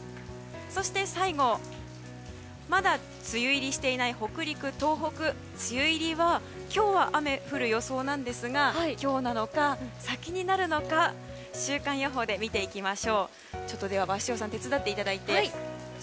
そして最後まだ梅雨入りしていない北陸、東北梅雨入りは今日は雨が降る予想なんですが今日なのか先になるのか週間予報で見ていきます。